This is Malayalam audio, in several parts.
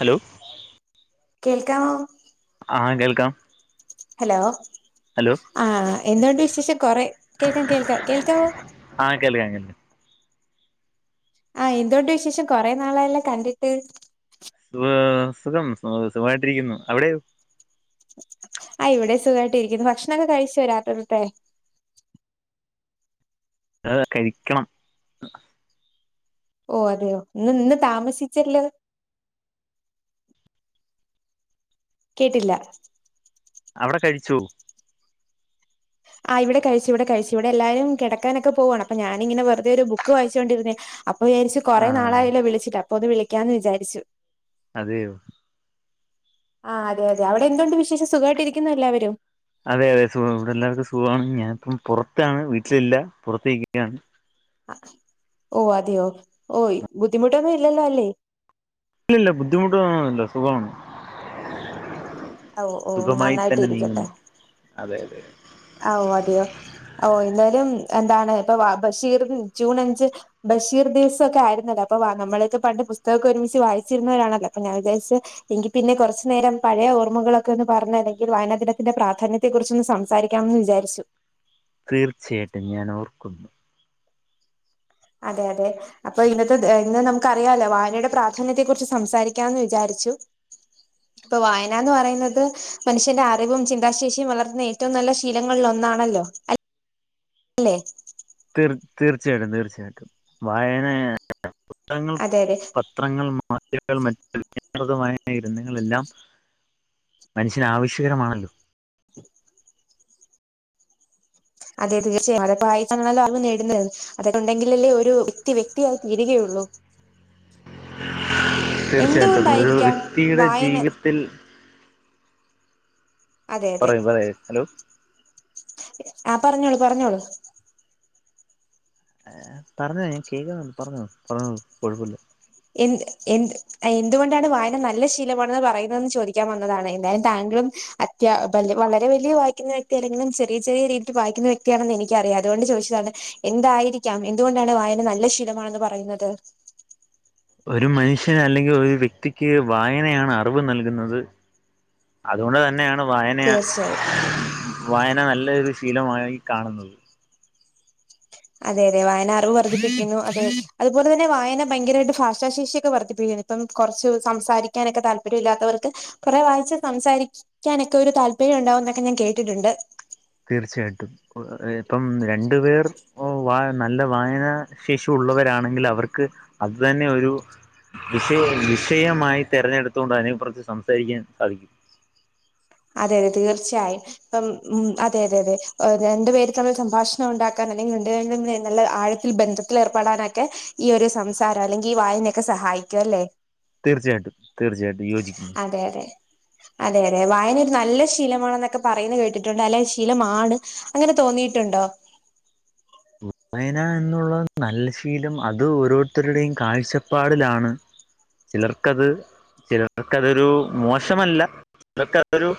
ഹലോ കേൾക്കാവോ ആഹ് കേൾക്കാം ഹലോ ഹലോ ആഹ് എന്തോ ഉണ്ട് വിശേഷം കൊറെ കേൾക്കാം കേൾക്കാം കേൾക്കാവോ ആഹ് കേൾക്കാം കേൾക്കാം ആഹ് എന്തൊണ്ട് വിശേഷം കൊറേ നാളായല്ലോ കണ്ടിട്ട് സുഖം സുഖമായിട്ടിരിക്കുന്നു അവിടെയോ ആഹ് ഇവിടെം സുഖമായിട്ട് ഇരിക്കുന്നു ഭക്ഷണൊക്കെ കഴിച്ചോ രാത്രിയിൽത്തെ ആഹ് കഴിക്കണം ഓ അതെയോ ഇന്ന് നിന്ന് താമസിച്ചല്ലോ കേട്ടില്ല അവിടെ കഴിച്ചോ ആഹ് ഇവിടെ കഴിച്ചു ഇവിടെ കഴിച്ചു ഇവിടെല്ലാരും കിടക്കാനൊക്കെ പോവാണ് അപ്പൊ ഞാനിങ്ങനെ വെറുതെ ഒരു ബുക്ക് വായിച്ചുകൊണ്ടിരുന്നയാ അപ്പൊ വിചാരിച്ചു കൊറെ ആഹ് നാളായാലോ വിളിച്ചിട്ട് അപ്പൊ ഒന്ന് വിളിക്കാന്ന് വിചാരിച്ചു അതെ ആഹ അതെ അതെ അവിടെ എന്തതുണ്ട് വിശേഷം സുഖമായിട്ട് ഇരിക്കുന്ന എല്ലാവരും അതെ അതെ സുഖം ഇവിടെ എല്ലാവർക്കും സുഖമാണ് ഞാനിപ്പം പുറത്താണ് വീട്ടിലില്ല പുറത്ത ഇരിക്കുകയാണ് ഓഹ അതെയോ ഓഹ ബുദ്ധിമുട്ടൊന്നും ഇല്ലല്ലോ അല്ലേ ഇല്ലല്ല ബുദ്ധിമുട്ട്ന്നല്ല സുഖമാണ് ഓ ഓ സുഖമായി നന്നായിട്ട് തന്നെ നീങ്ങുന്നു അതെ അതെ ഓഹ അതെയോ ഓഹ എന്നാലും എന്താണ് ഇപ്പൊ ബഷീറും ജൂൺ അഞ്ച് ബഷീർ ദിവസമ ഒക്കെ ആരുന്നല്ലോ അപ്പ നമ്മൾക്കെ പണ്ട് പുസ്തകൊക്കെ ഒരുമിച്ച് വായിച്ചിരുന്നവരാണല്ല അപ്പൊ ഞാൻ വിചാരിച്ച് എങ്കിൽ പിന്നെ കുറച്ചു നേരം പഴയ ഓർമ്മകളൊക്കെന്ന് പറഞ്ഞ അല്ലെങ്കിൽ വായനദിനത്തിന്റെ പ്രാധാന്യത്തെ കുറിച്ച് ഒന്ന് സംസാരിക്ക ണന്ന് വിചരിച്ചു തീർച്ചയായിട്ടും ഞാൻ ഓർക്കുന്നു അതെ അതെ അപ്പൊ ഇന്നത്തെ ഇന്ന് നമുക്ക് അറിയാാലോ വായനയുടെ പ്രാധാന്യത്തെ കുറിച്ച് സംസാരിക്കാമന്ന് വിചാരിച്ചു [unintelligible] ഇപ്പൊ വായന എന്ന് പറയുന്നത് മനുഷ്യന്റെ അറിവും ചിന്താശേഷിയും വളർത്തുന്ന ഏറ്റവും നല്ല ശീലങ്ങളിൽ ഒന്നാണല്ലോ അൽ അല്ലേ തീർ തീർച്ചയായിട്ടും തീർച്ചയായിട്ടും വായനങ്ങൾ പ അതെ അതെ പത്രങ്ങൾ മാധ്യകൾ മറ്റജഞമായ ഇരുന്നങ്ങളെല്ലാം മനുഷ്യന് ആവശ്യകരമാണല്ലോ [inaudible] അതെ തീർച്ചയായും അതെ വായിച്ചണല്ലോ അറിവ് നേടണ്ട അതൊക്കെ ഉണ്ടെങ്കിൽ അല്ലേ ഒരു വ്യക്തി വ്യക്തിയായി തീരുകയുള്ളൂ തീർച്ചയായിട്ടും ഒരു എന്തുകൊണ്ടായിരിക്കാം വ്യക്തിയുടെ വായന ജീവിതത്തിൽ അതെ പറയൂ പറയൂ ഹലോ ആഹ പറഞ്ഞോളൂ പറഞ്ഞോളൂ പറഞ്ഞോ ഞാൻ കേൾക്കുന്നുണ്ട് പറഞ്ഞോ പറഞ്ഞോളു കുഴപ്പമില്ല എന്ത് എന്ത് എന്തുകൊണ്ടാണ് വായന നല്ല ശീലമാണെന്ന് പറയുന്നത് ചോദിക്കാൻ വന്നതാണ് എന്തായാലും താങ്കളും വളരെ വലിയ വായിക്കുന്ന വ്യക്തി അല്ലെങ്കിലും ചെറിയ ചെറിയ രീതിയിൽ വായിക്കുന്ന വ്യക്തിയാണെന്ന് എനിക്കറിയാം അതുകൊണ്ട് ചോദിച്ചതാണ് എന്തായിരിക്കാം എന്തുകൊണ്ടാണ് വായന നല്ല ശീലമാണെന്ന് പറയുന്നത് ഒരു മനുഷ്യന് അല്ലെങ്കിൽ ഒരു വ്യക്തിക്ക് വായനയാണ് അറിവ് നൽകുന്നത് അതുകൊണ്ട് തന്നെയാണ് വായന തീർച്ചയായും വായന നല്ലൊരു ശീലമായി കാണുന്നത് അതെ അതെ വായന അറിവ് വർദ്ധിപ്പിക്കുന്നു അതെ അതുപോലെ തന്നെ വായന ഭയങ്കരായിട്ട് ഭാഷാശേഷിയൊക്കെ വർദ്ധിപ്പിക്കുന്നു ഇപ്പം കുറച്ച് സംസാരിക്കാനൊക്കെ താല്പര്യം ഇല്ലാത്തവർക്ക് കൊറേ വായിച്ച് സംസാരിക നൊക്കെ ഒരു താല്പര്യം ഉണ്ടാവും എന്നൊക്കെ ഞാൻ കേട്ടിട്ടുണ്ട് തീർച്ചയായിട്ടും ഇപ്പം രണ്ടു പേർ വാ നല്ല വായന ശേഷി ഉള്ളവരാണെങ്കിൽ അവർക്ക് അത് തന്നെ ഒരു വിഷയേ വിഷയമായി തിരഞ്ഞെടുത്തുകൊണ്ട് അതിനെ കുറച്ച് സംസാരിക്കാൻ സാധിക്കും അതെ അതെ തീർച്ചയായും ഇപ്പം ഉം അതെ അതെ അതെ രണ്ട് പേരിൽ തമ്മിൽ സംഭാഷണം ഉണ്ടാക്കാൻ അല്ലെങ്കിൽ രണ്ടു പേരിൽ നല്ല ആഴ ബന്ധത്തിൽ ഏർപ്പെടാനൊക്കെ ഈ ഒരു സംസാരം അല്ലെങ്കിൽ ഈ വായനൊക്കെ സഹായിക്കും അല്ലേ തീർച്ചയാട്ടും തീർച്ചയാട്ടും യോജിക്കുന്നു അതെ അതെ അതെ അതെ വായന ഒരു നല്ല ശീലമാണെന്നൊക്കെ പറയുന്നു കേട്ടിട്ടുണ്ട് നല്ല ശീലമാണ് അങ്ങനെ തോന്നിയിട്ടുണ്ടോ വായന എന്നുള്ള നല്ല ശീലം അത് ഓരോരുത്തരുടെയും കാഴ്ചപ്പാടിലാണ് ചിലർക്കത് ചിലർക്കതൊരു മോശമല്ല ചിലർക്കതൊരു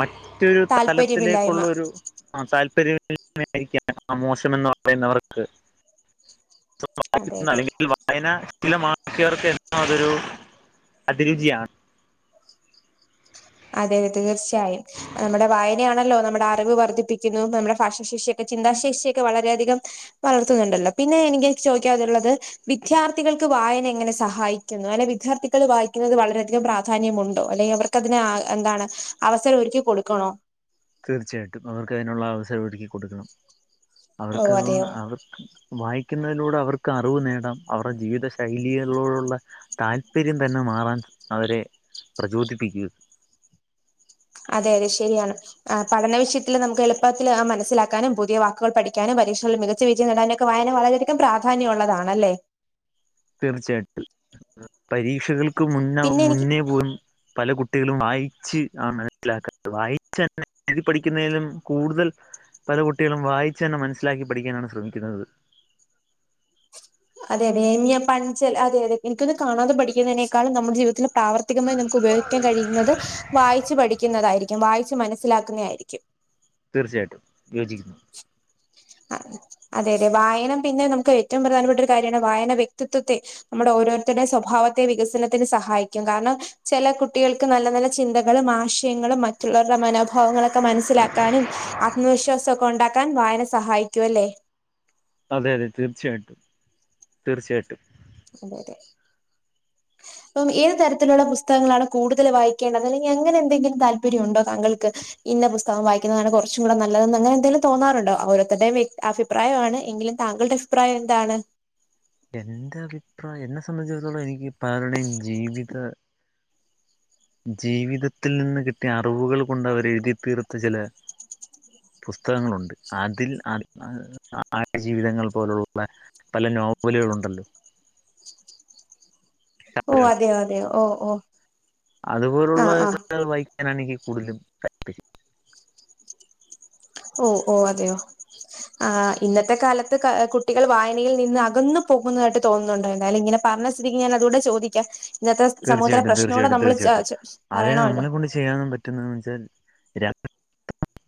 മറ്റൊരു താല്പര്യമില്ലായ്മ തലത്തിലേക്കുള്ളരു ആഹ താല്പര്യമില്ലായിമ ആയിരിക്കാം ആ മോശം എന്ന് പറയുന്നവർക്ക് [unintelligible] അതെ അതെ അല്ലെങ്കിൽ [unintelligible] അയന ശീലമാക്കിയർക്ക് എന്നും അതൊരു അതിരുചിയാണ് അതെ തെ തീർച്ചയും നമ്മുടെ വായനയാണല്ലോ നമ്മുടെ അറിവ് വർദ്ധിപ്പിക്കുന്നു നമ്മുടെ ഭാഷാശേഷിഓക്കെ ചിന്താശേഷിഓക്കെ വളരെയധികം വളർത്തുന്നുണ്ടല്ലോ പിന്നെ എനിക്ക് ചോയിക്കാഉള്ളത് വിദ്യാർത്ഥികൾക്ക് വായന എങ്ങനെ സഹായിക്കുന്നു അല്ലെ വിദ്യാർത്ഥികൾ വായിക്കുന്നത് വളരെയധികം പ്രാ ധാന്യമുണ്ടോ അല്ലെങ്കിൽ അവർക്കതിനെ ആ എന്താണ് അവസരം ഒരുക്കി കൊടുക്കണോ തീർച്ചയായിട്ടും അവർക്കയിനുള്ള അവസരം ഒരുക്കി കൊടുക്കണം ഓ അവർക്കതികൊണ്ട് അതെയോ അവർ വായിക്കുന്നതിലൂടെ അവർക്ക് അറിവ് നേടാം അവരുടെ ജീവിത ശൈലിളോടുള്ള താല്പര്യം തന്നെ മാറാൻ അവരെ പ്രചോദിപ്പിക്കും അതെ അതെ ശരിയാണ് ആ പഠന വിഷയത്തില് നമുക്ക് എളുപ്പത്തിൽ ആ മനസ്സിലാക്കാനും പുതിയ വാക്കുകൾ പഠിക്കാനും പരീക്ഷണിൽ മിക ച്ചാ വിജയം നേടാനൊക്കെ വായന വളരെയധികം പ്രാധാന്യഒള്ളതാണല്ലേ തീർച്ചയാട്ടും പരീക്ഷകൾക്ക് മുന്ന പിന്നെ എനിക്ക് മുന്നേ പോലും പല കുട്ടികളും വായിച്ച് ആണ് മനസ്സിലാക്കാത് വായിച്ചന്നെ എഴുതി പഠിക്കുന്നെലും കൂടുതൽ പല കുട്ടികളും വായിച്ചു തന്നെ മനസ്സിലാക്കി പഠിക്കാനാണ് ശ്രമിക്കുന്നത്. അതെ അതെ ഞാൻ പഞ്ചൽ അതെ അതെ എനിക്കൊന്ന് കാണാതെ പഠിക്കുന്നതിനേക്കാളും നമ്മുടെ ജീവിതത്തിൽ പ്രാവർത്തികമായി നമുക്ക് ഉപയോഗിക്കാൻ കഴിയുന്നത് വായിച്ചു പഠിക്കുന്നതായിരിക്കും വായിച്ച് മനസ്സിലാക്കുന്ന ആയിരിക്കും. തീർച്ചയാട്ടും യോജിക്കുന്നു. ആ അതെ അതെ വായന പിന്നെ നമുക്ക് ഏറ്റവും പ്രധാനപ്പെട്ട ഒരു കാര്യാണ് വായന വ്യക്തിത്വത്തെ നമ്മുടെ ഓരോരുത്തടെ സ്വഭാവത്തെ വികസനത്തിന് സഹായിക്കും കാരണം ചില കുട്ടികൾക്ക് നല്ല നല്ല ചിന്തകളും, ആശയങ്ങളും, മറ്റുള്ളവരുടെ മനോഭാവങ്ങളൊക്കെ മനസ്സിലാക്കാനും. ആത്മവിശ്വാസക്കെ ഉണ്ടാക്കാൻ വായന സഹായിക്കുവല്ലേ? അതെ അതെ തീർച്ചയാട്ടും തീർച്ചയാട്ടും. അതെ അതെ. അപ്പം ഏത് തരത്തിലുള്ള പുസ്തകങ്ങളാണ് കൂടുതൽ വായിക്കേണ്ടത് അല്ലെങ്കി അങ്ങനെ എന്തെങ്കിലും താല്പര്യം ഉണ്ടോ താങ്കൾക്ക്. ഇന്ന പുസ്തകം വായിക്കുന്നതാണ് കുറച്ചുടെ നല്ലതെന്ന് അങ്ങനെ എന്തെലും തോന്നാറുണ്ടോ? ഓരോരുത്തടെ വെ അഭി അഭിപ്രായആണ് എങ്കിലും താങ്കളുടെ അഭിപ്രായം എന്താണ്? എന്റെ അഭിപ്രായം എന്നെ സംബന്ധിച്ചിടത്തോളം എനിക്കിപ്പ ആരുടെം ജീവിത ജീവിതത്തിൽ നിന്ന് കിട്ടിയ അറിവുകൾ കൊണ്ട് അവര് എഴുതിത്തീർത്ത ചില പുസ്തകങ്ങളുണ്ട് അതിൽ ആട് ആ ആട് ജീവിതങ്ങൾ പോലുള്ള പല നോവലുകൾ ഉണ്ടല്ലോ. ഓ അതെയൊ അതെയൊ ഓ ഓ. അതുപോലുള്ള ആഹ് ആഹ് കഥകൾ വായിക്കാനാണ് എനിക്ക് കൂടുലും ഇഷ്ടം ഓ ഓ അതെയോ,? ആ ഇന്നത്തെ കാലത്ത് കാ കുട്ടികൾ വായനയിൽ നിന്ന് അകന്നു പോകുന്നയിട്ട് തോന്നുന്നുണ്ട് എന്തായാലും ഇങ്ങനെ പറഞ്ഞ സ്ഥിതിക്ക് ഞാൻ അതുടെ ചോദിക്കാം ഇന്നത്തെ സമുഹത്തിലെ തീർച്ചയായിട്ടും പ്രശ്ന കൂടെ നമ്മൾ ചെ ച പറയണോല്ലോ? ചെയ്യാനും പറ്റുന്ന വെച്ചാൽ രാ [unintelligible]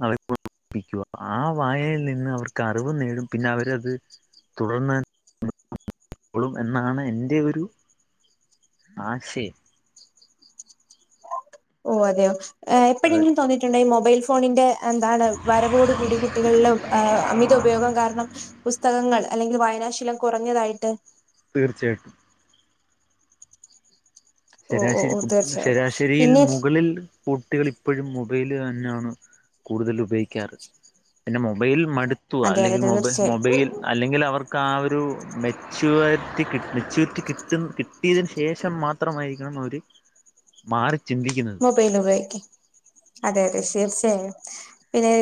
അവരെഓർപ്പിക്കുക ആ വായെൽ നിന്ന് അവർക്ക് അറിവ് നേടും പിന്നെ അവരത് തുടർന്ന് ളും ളും എന്നാണ് എന്റെ ഒരു ആശെയം ഓ അതെയോ ഏ എപ്പെഴെങ്കിലും തോന്നി ട്ടുണ്ടെ മൊബൈൽ ഫോണിന്റെ എന്താണ് വരവോട് കൂടി കുട്ടികളിൽ അമിത ഉപയോഗം കാരണം പുസ്തകങ്ങൾ അല്ലെങ്കിൽ വായനാശീലം കുറഞ്ഞതായിട്ട് തീർച്ചയാട്ടും. ഓ ഓ ഓ ശരാശരികു തീർച്ചയായിട്ടും ശരാശരിയിൽ പിന്നെ മുകളിൽ കുട്ടികൾ ഇപ്പഴും മൊബൈല് തന്നണ്കൂടുതൽ ഉപയോഗിക്കാറ്. പിന്നെ മൊബൈൽ മടുത്തു അതെ അതെ അല്ലെങ്കിൽ മൊബ തീർച്ചയായും മൊബൈൽ. അല്ലെങ്കിൽ അവർക്ക് ആ ഒരു മെച്യൂആരാറ്റി കി മെച്യൂരിറ്റി കിട്ട് കിട്ടിയതിന് ശേഷം മാ മാത്രമായിരിക്കണം അവര് മാറി ചിന്തിക്കുന്നത്. മൊബൈൽ ഉപയോക്ക് അതെ അതെ ശിർസായായും. പിന്നെ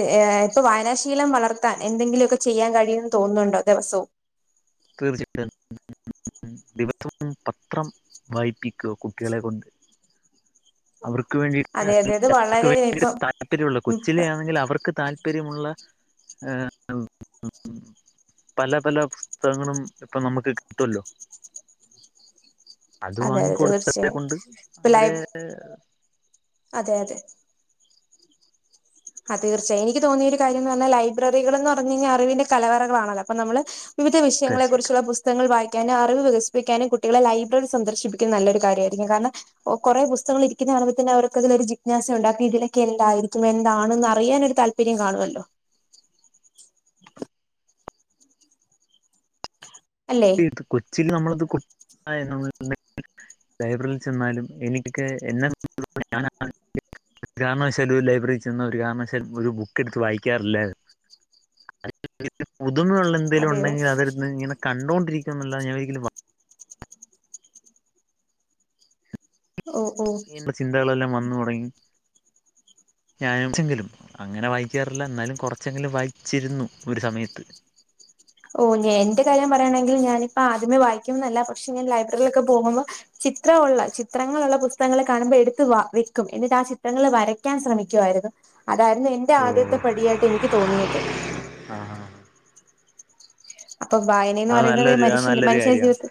ഇപ്പൊ വായനാശീലം വളർത്താൻ എന്തെങ്കിലുമൊക്കെ ചെയ്യാൻ കഴിയുമന്ന് തോന്നുന്നുണ്ടോ ദിവസവും? തീർച്ചയായിട്ടും. ദിവസവും പത്രം വായിപ്പിക്കുക, കുട്ടികളെ കൊണ്ട്. അവർക്ക് വേണ്ടിട്ട് അതെ അതെ അത് അവർക്ക് വളരെ വേണ്ടീട്ട് ഇപ്പം താല്പര്യമുള്ള ഉം കൊച്ചിലെ ആണെങ്കിൽ അവർക്ക് താൽ പര്യമുള്ള ആ പല പല പുസ്തകങ്ങളും ഇപ്പൊ നമുക്ക് കിട്ടുല്ലോ? അതെതെ, വാങ്ങിക്കൊടുത്തത് തീർച്ചയായും. കൊണ്ട് ഇപ്പൊ അവരെ ലൈ- അതെ അതെ. ആ തീർച്ചയായും. എനിക്ക് തോന്നിയൊരു കാര്യംന്ന് പറഞ്ഞാൽ ലൈബ്രറികൾ എന്ന് പറഞ്ഞു കഴിഞ്ഞാ അറിവിന്റെ കലവറകളണല്ലോ? അപ്പൊ നമ്മള് വിവിധ തീർച്ചയായിട്ടും വിഷയങ്ങളെക്കുറിച്ചുള്ള പുസ് തകങ്ങൾ വായിക്കാനും അറിവ് വികസിപ്പിക്കാനും കുട്ടികളെ ലൈബ്രറി സന്ദർശിപ്പിക്കുന്ന നല്ലൊരു കാര്യമായിരിക്കും. കാരണം കുറെ പുസ്തകങ്ങള് ഇരിക്കുന്നെ കാണുമ്പ തന്നെ അവർക്കതിലൊരു ജിജ്ഞാസ ഉണ്ടാക്കും. ഇതിലൊക്കെ എന്തായിരിക്കും? എ ന്താണെന്ന് അറിയാൻ ഒരു താല്പര്യം കാണുവല്ലോ? അല്ലെ? ത് കൊച്ചില് നമ്മളത് [unintelligible] ലൈബ്രറിൽ ചെന്നാലും എനിക്കൊക്കെ എന്നെ [unintelligible] ഒരു കാരണവശാലും ഒരു ലൈബ്രറിൽ ചെന്ന ഒരു കാരണവശാലും ഒരു ബുക്ക് എടുത്ത് വായിക്കാറില്ല പുതുമുള്ള എന്തങ്കലും അതെയോ ഉണ്ടെങ്കിൽ അതിരുന്ന് ഇങ്ങനെ കണ്ടുകൊണ്ടിരിക്കും എന്നല്ലാതെ ഞാൻ ഒരിക്കലും വാ ഓ ഓ നുള്ള ചിന്തകളെല്ലാം വന്നു തുടങ്ങി ഞാനും ചെങ്കലും അങ്ങനെ വായിക്കാറില്ല എന്നാലും കുറച്ചെങ്കിലും വായിച്ചിരുന്നു ഒരു സമയത്ത് ഓ ഞ എന്റെ കാര്യം പറയാണെങ്കിൽ ഞാനിപ്പോ ആദ്യമേ വായിക്കും ന്നല്ല പക്ഷ ഞാൻ ലൈബ്രറിയിലൊക്കെ പോകുമ്പോൾ ചിത്രമുള്ള ചിത്രങ്ങളുള്ള പുസ്തകങ്ങൾ കാണുമ്പോൾ എടുത്ത വ വെക്കും എന്നിട്ട് ആ ചിത്രങ്ങൾ വരയ്ക്കാൻ ശ്രമിക്കുമായിരുന്നു അതായിരുന്നു എന്റെ ഓ ആദ്യത്തെ പടിയായിട്ട് എനിക്ക് തോന്നിയത് ആഹ് ആഹ് അപ്പൊ വായനന്ന് അത് പറയുന്നത് നല്ലൊരു അത് മനുഷ്യന്റെ നല്ലൊരു മനുഷ്യന്റെ കാര്യമാണ് ജീവിതത്ത്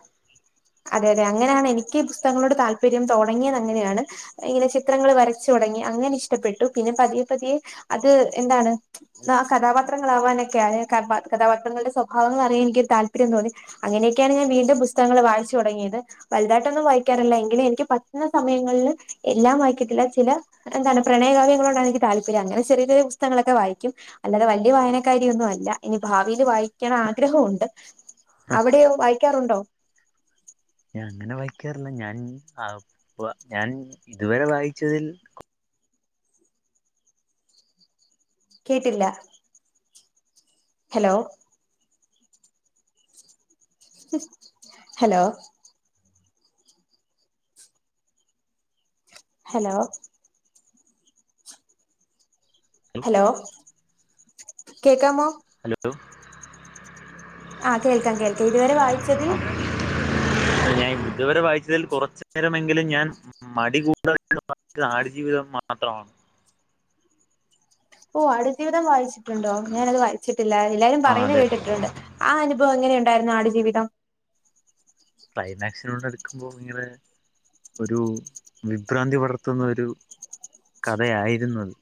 അതെ അതെ അങ്ങനെയാണ് എനിക്ക് ഈ പുസ്തകങ്ങളോട് താല്പര്യം തുടങ്ങിയത് അങ്ങനെയാണ് ഇങ്ങനെ ചിത്രങ്ങൾ വരച്ചു തുടങ്ങി അങ്ങനെ ഇഷ്ടപ്പെട്ടു പിന്നെ പതിയെ പതിയെ അത് എന്താണ് ആ കഥാപാത്രങ്ങള ആവാനൊക്കെ ആ കഥാപാത്രങ്ങളുടെ സ്വഭാവങ്ങൾ അറിയാൻ എനിക്കൊരു താല്പര്യം തോന്നി അങ്ങനെയൊക്കെയാണ് ഞാൻ വീണ്ടും പുസ്തകങ്ങങ്ങള് വായിച്ചു തുടങ്ങിയത് വലുതാട്ടൊന്നും വായിക്കാറില്ല എങ്കിലും എനിക്ക് പറ്റുന്ന സമയങ്ങളില് എല്ലാം വായിക്കത്തിില്ല ചില എന്താണ് പ്രണയകാവ്യങ്ങളോടാണ് എനിക്ക് തല്പര്യം അങ്ങനെ ചെറിയ ചെറിയ പുസ്തങ്ങളൊക്കെ വായിക്കും അല്ലാതെ വലിയ വായനക്കാരിയൊന്നും അല്ല ഇനി ഭാവിൽ വായി ക്കാൻ ആഗ്രഹമുണ്ട് അവിടെയോ വായിക്കാറുണ്ടോ? ഞാൻ അങ്ങനെ വായിക്കാറില്ല ഞാൻ ആ ബ ഞാൻ ഇതുവരെ വായിച്ചതിൽ കേട്ടില്ല ഹലോ ഹലോ ഹലോ ഹലോ കേക്കാമോ ഹലോ ആഹ് കേൾക്കാം കേൾക്കാം ഇതുവരെ വായിച്ചതിൽ ഞാൻ ഇതു വരെ വായിച്ചതിൽ കുറച്ചു നേരമെങ്കിലും ഞാൻ മടികൂടാതെ വായിച്ചത് ആട്ജീവിതം മാത്രമാണ് ഓ ആട്ജീവിതം വായിച്ചിട്ടുണ്ടോ ഞാാനത് വായിച്ചിട്ടില്ല എല്ലാവരും ആഹ് പറയുന്നത് അതെ കേട്ടിട്ടുണ്ട് ആ അനുഭവം എങ്ങനെ ഉണ്ടായിരുന്നു ആട്ജീവിതം ക്ലൈമാക്സിനോട്‌ അടുക്കുമ്പോൾ ഭയങ്കര ഒരു വിഭ്രാന്തി വളർത്തുന്ന ഒരു കഥയായിരുന്നു അത്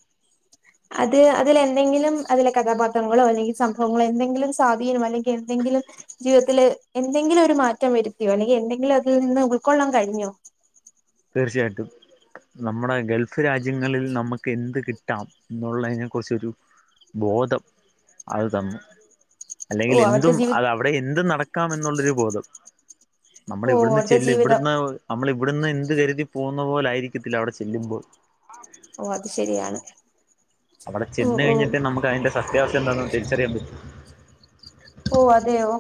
അത് അതിൽ എന്തെങ്കിലും അതിലെ കഥാപാത്രങ്ങളോ അല്ലെങ്കിൽ സംഭവങ്ങളോ എന്തെങ്കിലും സ്വാധീനം അല്ലെങ്കിൽ എന്തെങ്കിലും ജീവിതത്തില് എന്തെങ്കിലും ഒരു മാറ്റം വരുത്തിയോ അല്ലെങ്കിൽ എന്തെങ്കിലും അതിൽ നിന്ന് ഉൾക്കൊള്ളാൻ കഴിഞ്ഞോ? തീർച്ചയായിട്ടും നമ്മുടെ ഗൾഫ് രാജ്യങ്ങളിൽ നമുക്ക് എന്ത് കിട്ടാം എന്നുള്ളതിനെ കുുറിച്ചൊരു ബോധം അത് തന്നു ഓ അല്ലെങ്കിലെന്തും അവിടുത്തെ ജീവി അത് അവിടെ എന്തും നടക്കാം എന്നുള്ളൊരു ബോധം നമ്മൾ ഓ ഇവിടുന്ന് അവിടുത്തെ ചെല്ല് ജീവിതം ഇവിടുന്ന് നമ്മൾ ഇവിടന്ന് എന്ത് കരുതി പോകുന്ന പോലായിരിക്കത്തില്ല അവിടെ ചെല്ലുമ്പോൾ ഓഹ് അത് ശരിയാണ് അവിടെ ഓ ചെന്ന് ഓ കഴിഞ്ഞിട്ടെ നമുക്ക് അതിന്റെ സത്യാവസ്ഥ എന്താന്ന് തിരിച്ചറിയാൻ പറ്റു ഓഹ് അതെയോ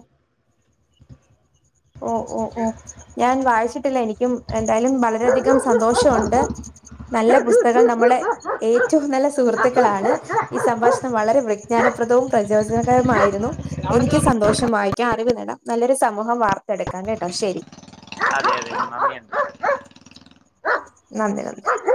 ഓഹ് ഓഹ് ഓഹ് ഞാൻ വായിച്ചിട്ടില്ല എനിക്കും എന്തായാലും വളരെയധികം സന്തോഷവൊണ്ട് നല്ല പുസ്തകം നമ്മളെ ഏറ്റവും നല്ല സുഹൃത്തുക്കളാണ് ഈ സംഭാഷണം വളരെ വിജ്ഞാനപ്രദവും പ്രചോദനകരവുമായിരുന്നു എനിക്ക് സന്തോഷം വായിക്കാൻ അറിവ് നേടാം നല്ലൊരു സമൂഹം വാർത്തെടുക്കാം കേട്ടോ ശരി അതെ അതെ [unintelligible] നന്ദി [unintelligible]